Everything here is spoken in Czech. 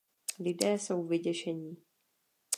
Lidé jsou vyděšení.